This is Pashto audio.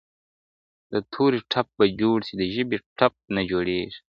o د توري ټپ به جوړسي، د ژبي ټپ نه جوړېږي!